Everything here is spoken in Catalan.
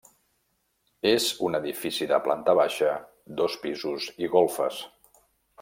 És un edifici de planta baixa, dos pisos i golfes.